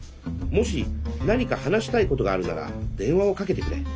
もし何か話したいことがあるなら電話をかけてくれ。